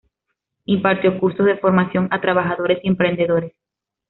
Impartió cursos de formación a trabajadores y emprendedores.